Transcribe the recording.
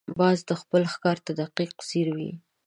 باز خپل ښکار ته دقیق ځیر وي